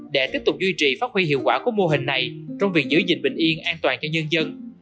để tiếp tục duy trì phát huy hiệu quả của mô hình này trong việc giữ gìn bình yên an toàn cho nhân dân